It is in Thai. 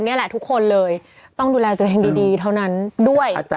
นี่แหละทุกคนเลยต้องดูแลตัวเองดีเท่านั้นด้วย